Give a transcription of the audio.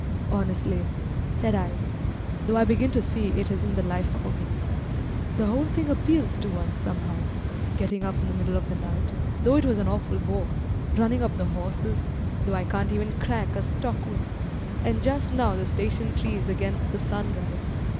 "Honestly," said Ives, "though I begin to see it isn't the life for me. The whole thing appeals to one, somehow; getting up in the middle of the night (though it was an awful bore), running up the horses (though I can't even crack a stock whip), and just now the station trees against the sunrise.